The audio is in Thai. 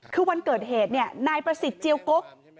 คือวันเกิดเหตุเนี่ยนายประสิทธิ์เจียวกก